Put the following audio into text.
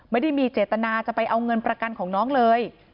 ไม่ได้มีเจตนาจะไปเอาเงินประกันของน้องเลย